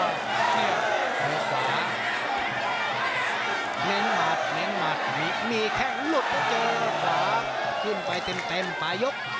นี่ออกข้างเล็งมัดเล็งมัดมีแข้งลุดโอเคข้างขึ้นไปเต็มประยก